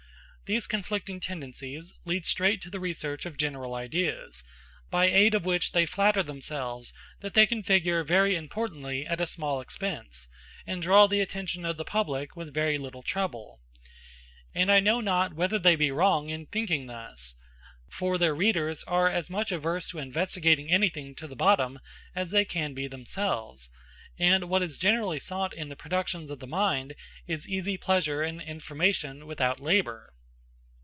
These conflicting tendencies lead straight to the research of general ideas, by aid of which they flatter themselves that they can figure very importantly at a small expense, and draw the attention of the public with very little trouble. And I know not whether they be wrong in thinking thus. For their readers are as much averse to investigating anything to the bottom as they can be themselves; and what is generally sought in the productions of the mind is easy pleasure and information without labor.